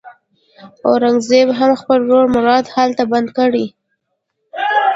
اورنګزېب هم خپل ورور مراد هلته بندي کړ.